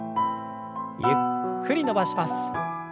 ゆっくり伸ばします。